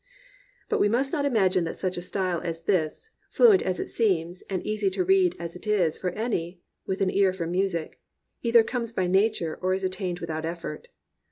But we must not imagine that such a style as this, fluent as it seems and easy to read as it is for any one with an ear for music, either comes by na ture or is attained without effort.